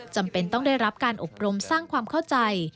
จำเป็นต้องได้รับการอบรมสร้างความเข้าใจ